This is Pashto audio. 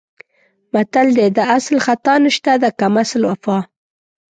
متل دی: د اصل خطا نشته د کم اصل وفا.